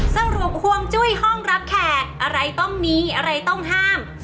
สรุปห่วงจุ้ยห้องรับแขกอะไรต้องมีอะไรต้องห้าม